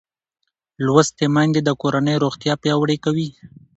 لوستې میندې د کورنۍ روغتیا پیاوړې کوي